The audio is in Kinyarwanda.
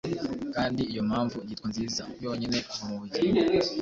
kandi Iyo mpamvu, yitwa Nziza, yonyine kuva Mubugingo.